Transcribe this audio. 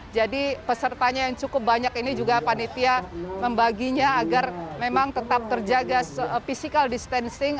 jadi pesertanya yang cukup banyak ini juga panitia membaginya agar memang tetap terjaga physical distancing